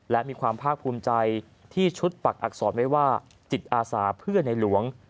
และมีความภาคภูมิใจที่ชุดปักอักษรไว้ว่าจิตอาสาเพื่อในหลวง